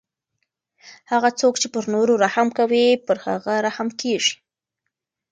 هغه څوک چې پر نورو رحم کوي پر هغه رحم کیږي.